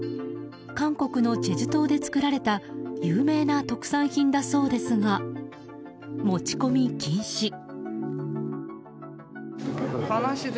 韓国のチェジュ島で作られた有名な特産品だそうですが持ち込み禁止。